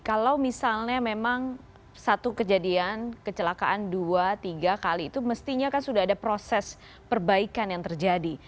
kalau misalnya memang satu kejadian kecelakaan dua tiga kali itu mestinya kan sudah ada proses perbaikan yang terjadi